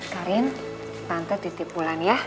karim tanda titip wulan ya